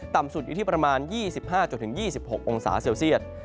ต่ำสุดอยู่ที่ประมาณ๒๕๒๖องศาเซลเซียต